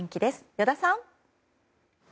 依田さん。